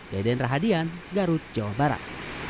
deden rahadian garut jawa barat